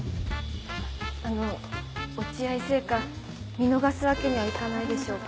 あの落合製菓見逃すわけにはいかないでしょうか？